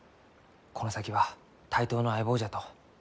この先は対等の相棒じゃと。